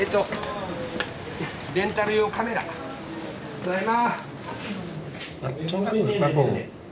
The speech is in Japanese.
ただいま。